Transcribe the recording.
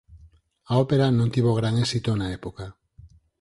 A ópera non tivo gran éxito na época.